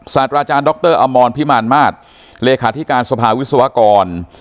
ศาสตราอาจารย์ดรอมรพิมารมาศเลขาธิการสภาวิศวกร